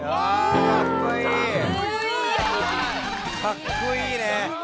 かっこいいね！